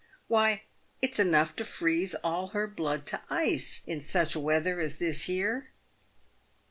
Why, it's enough to freeze all her blood to ice in such weather as this here."